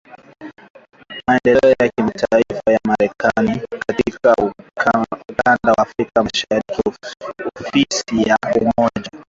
Maendeleo ya Kimataifa la Marekani katika Ukanda wa Afrika Mashariki Ofisi ya Umoja